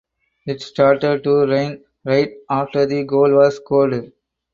It started to rain right after the goal was scored.